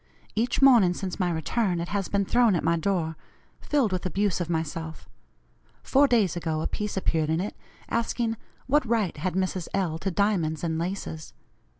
Each morning since my return it has been thrown at my door, filled with abuse of myself. Four days ago a piece appeared in it, asking 'What right had Mrs. L. to diamonds and laces?'